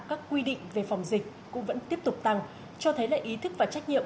các quy định về phòng dịch cũng vẫn tiếp tục tăng cho thấy là ý thức và trách nhiệm